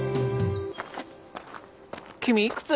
君いくつ？